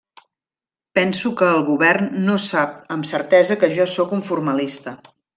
Penso que el govern no sap amb certesa que jo sóc un formalista.